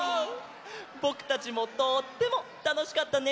ぼくたちもとってもたのしかったね！